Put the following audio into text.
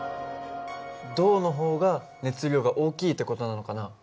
銅の方が熱量が大きいって事なのかな？